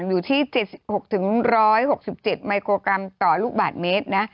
อยู่ที่๗๖๑๖๗มิโครกรัมต่อลูกบาทเมตรนะ